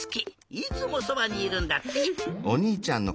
いつもそばにいるんだって。